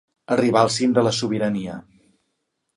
Arribar al cim de la sobirania.